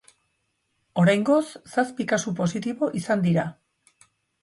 Oraingoz, zazpi kasu positibo izan dira.